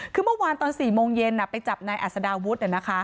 คือเมื่อวานตอน๔โมงเย็นไปจับนายอัศดาวุฒิ